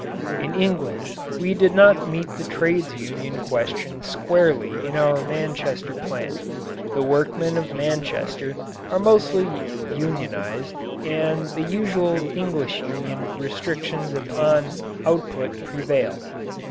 In England we did meet the trades union question squarely in our Manchester plant. The workmen of Manchester are mostly unionized, and the usual English union restrictions upon output prevail.